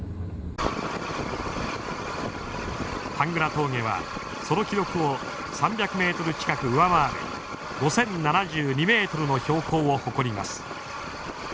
峠はその記録を３００ｍ近く上回る５，０７２ｍの標高を誇ります。